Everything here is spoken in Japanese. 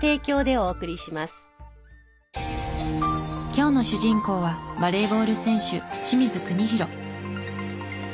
今日の主人公はバレーボール選手清水邦広。